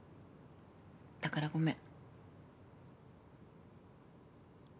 だからごめん。